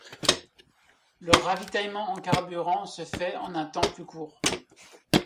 Le ravitaillement en carburant se fait en un temps plus court.